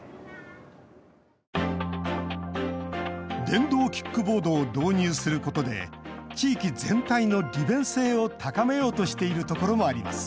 電動キックボードを導入することで地域全体の利便性を高めようとしている所もあります。